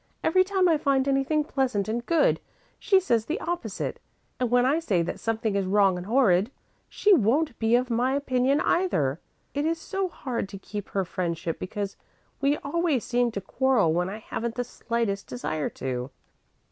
Every time I find anything pleasant and good, she says the opposite, and when I say that something is wrong and horrid, she won't be of my opinion either. It is so hard to keep her friendship because we always seem to quarrel when I haven't the slightest desire to."